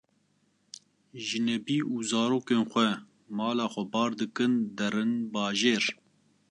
Jinebî û zarokên xwe mala xwe bar dikin derin bajêr